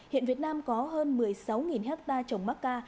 hiện việt nam có hơn một mươi sáu hectare trồng macca